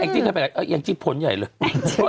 แอคจิ๊กเคยไปกันยังจิ๊กผนใหญ่เลย